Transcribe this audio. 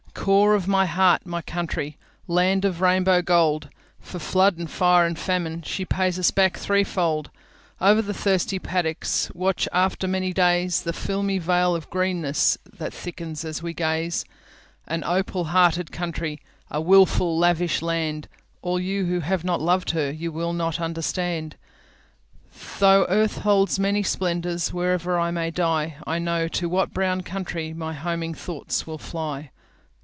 Core of my heart, my country! Land of the Rainbow Gold, For flood and fire and famine, She pays us back threefold; Over the thirsty paddocks, Watch, after many days, The filmy veil of greennessThat thickens as we gaze. An opal hearted country,A wilful, lavish land—All you who have not loved her, You will not understand—Though earth holds many splendours, Wherever I may die,I know to what brown countryMy homing thoughts will fly.